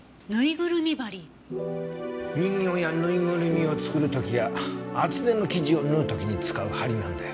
人形やぬいぐるみを作る時や厚手の生地を縫う時に使う針なんだよ。